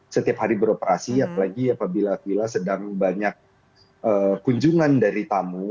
setiap hari beroperasi apalagi apabila vila sedang banyak kunjungan dari tamu